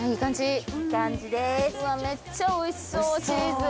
うわめっちゃおいしそうチーズ。